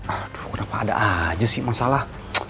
aduh berapa ada aja sih masalah